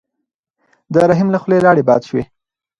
د رحیم له خولې لاړې باد شوې.